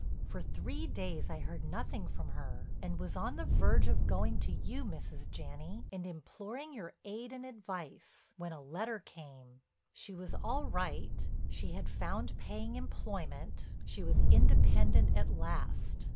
For three days I heard nothing from her and was on the verge of going to you, Mrs. Janney, and imploring your aid and advice, when a letter came. She was all right, she had found paying employment, she was independent at last.